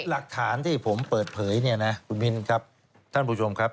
หลักฐานที่ผมเปิดเผยเนี่ยนะคุณมินครับท่านผู้ชมครับ